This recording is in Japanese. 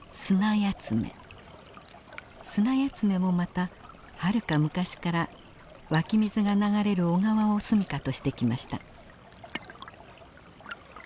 スナヤツメもまたはるか昔から湧き水が流れる小川を住みかとしてきました。